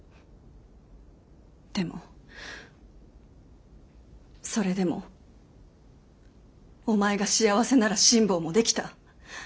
でもそれでもお前が幸せなら辛抱もできた。